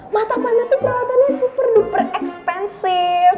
mata panda tuh perawatannya super duper ekspensif